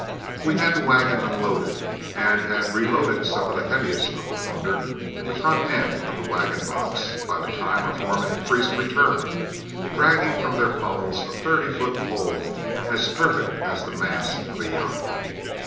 We had the wagon unloaded and had reloaded some of the heaviest of the plunder in the front end of the wagon box, by the time our foreman and Priest returned, dragging from their pommels a thirty foot pole as perfect as the mast of a yacht.